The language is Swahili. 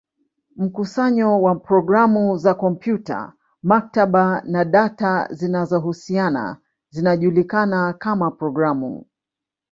Mkusanyo wa programu za kompyuta, maktaba, na data zinazohusiana zinajulikana kama programu.